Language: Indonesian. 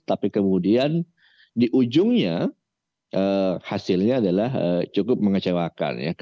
tapi kemudian di ujungnya hasilnya adalah cukup mengecewakan